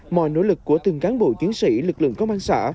mọi nỗ lực của từng cán bộ chiến sĩ lực lượng công an xã